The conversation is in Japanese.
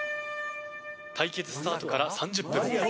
対決スタートから３０分。